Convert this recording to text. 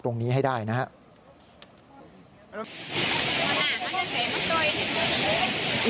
ตรงนี้ให้ได้นะครับ